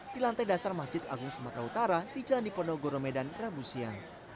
di lantai dasar masjid agung sumatera utara di jalan diponogoro medan rabu siang